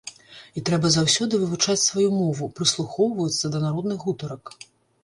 І трэба заўсёды вывучаць сваю мову, прыслухоўвацца да народных гутарак.